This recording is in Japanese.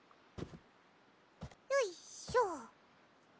よいしょ。